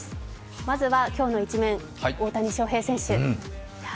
まずは今日の一面、大谷翔平選手。